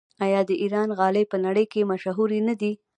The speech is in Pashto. آیا د ایران غالۍ په نړۍ کې مشهورې نه دي؟